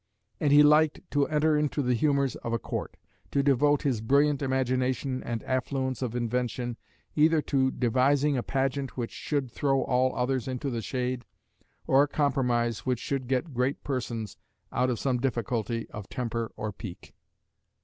And he liked to enter into the humours of a Court; to devote his brilliant imagination and affluence of invention either to devising a pageant which should throw all others into the shade, or a compromise which should get great persons out of some difficulty of temper or pique.